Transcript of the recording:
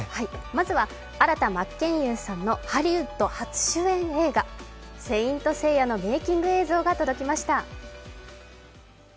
まずは新田真剣佑さんのハリウッド初主演映画、「聖闘士星矢」のメーキング映像が届きました。